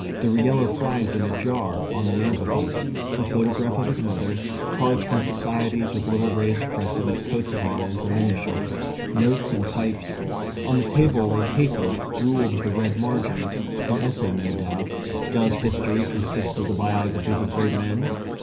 There were yellow flags in a jar on the mantelpiece; a photograph of his mother; cards from societies with little raised crescents, coats of arms, and initials; notes and pipes; on the table lay paper ruled with a red margin an essay, no doubt "Does History consist of the Biographies of Great Men?"